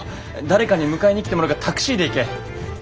誰かに迎えに来てもらうかタクシーで行け。